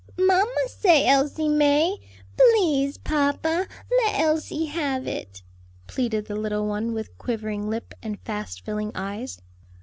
"Mamma say Elsie may. Please, papa, let Elsie have it," pleaded the little one with quivering lip and fast filling eyes.